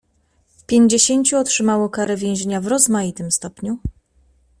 "Pięćdziesięciu otrzymało karę więzienia w rozmaitym stopniu."